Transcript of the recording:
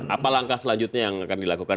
apa langkah selanjutnya yang akan dilakukan